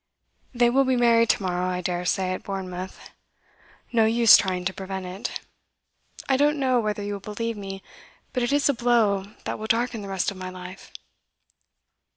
'They will be married to morrow, I dare say, at Bournemouth no use trying to prevent it. I don't know whether you will believe me, but it is a blow that will darken the rest of my life.